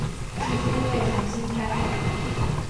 至今未重新开放。